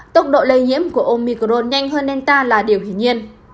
tốc độ lây nhiễm của omicron nhanh hơn delta là điều hình nhiên